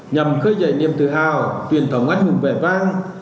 nhằm khơi dậy niềm tự hào tuyển thống ánh hùng vẻ vang